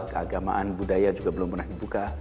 keagamaan budaya juga belum pernah dibuka